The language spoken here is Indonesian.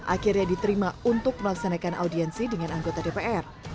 akhirnya diterima untuk melaksanakan audiensi dengan anggota dpr